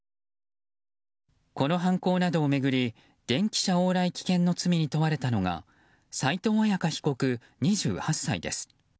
この犯行などを巡り電汽車往来危険の罪に問われたのが斉藤絢香被告、２８歳です。